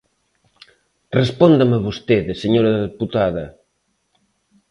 Respóndame vostede, señora deputada.